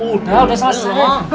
udah udah selesai